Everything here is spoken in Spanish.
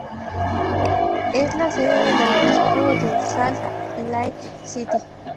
Es la sede del obispo de Salt Lake City.